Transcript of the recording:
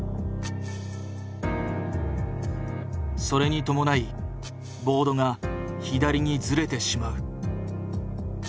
それに伴いボードが左にズレてしまう。